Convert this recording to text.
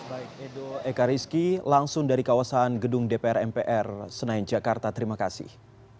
baik edo ekariski langsung dari kawasan gedung dpr mpr senayan jakarta terima kasih